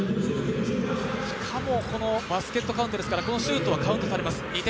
しかも、このバスケットカウントですから、このシュートはカウントされます。